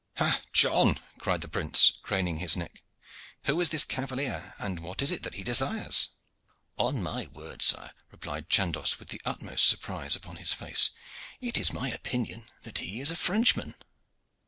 "Ha, John!" cried the prince, craning his neck, "who is this cavalier, and what is it that he desires?" "On my word, sire," replied Chandos, with the utmost surprise upon his face, "it is my opinion that he is a Frenchman."